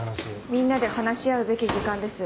みんなで話し合うべき時間です